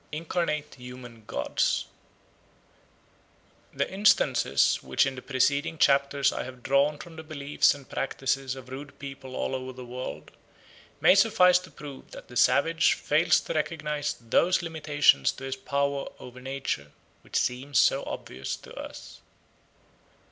Incarnate Human Gods THE INSTANCES which in the preceding chapters I have drawn from the beliefs and practices of rude peoples all over the world, may suffice to prove that the savage fails to recognise those limitations to his power over nature which seem so obvious to us.